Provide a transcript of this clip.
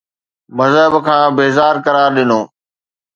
مذهب کان بيزار قرار ڏنو